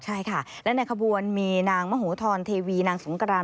ใช่ค่ะและในขบวนมีนางมโหธรเทวีนางสงกราน